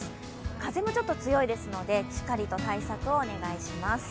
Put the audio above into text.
風もちょっと強いですので、しっかりと対策をお願いします。